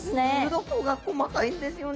鱗が細かいんですよね